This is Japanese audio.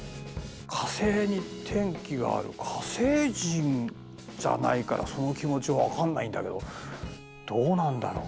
火星に天気がある火星人じゃないからその気持ちは分かんないんだけどどうなんだろう？